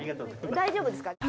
大丈夫ですか？